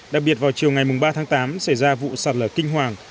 đặc biệt vào chiều ngày ba tháng tám xảy ra vụ sạt lở kinh hoàng